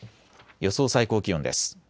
予想最高気温です。